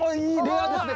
レアですね！